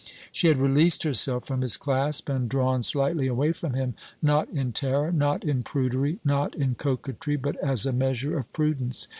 She had released herself from his clasp and drawn slightly away from him, not in terror, not in prudery, not in coquetry, but as a measure of prudence.